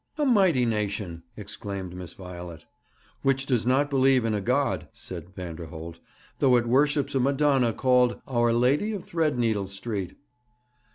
'A mighty nation!' exclaimed Miss Violet. 'Which does not believe in a God,' said Vanderholt, 'though it worships a Madonna called Our Lady of Threadneedle Street.'